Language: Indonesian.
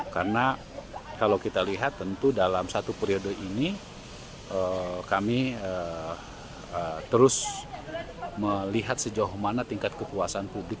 karena kalau kita lihat tentu dalam satu periode ini kami terus melihat sejauh mana tingkat kepuasan publik